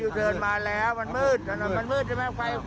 มันเติดมาแล้วมันมืดมันมืดมันมืดมันมืดมันมืดมันมืด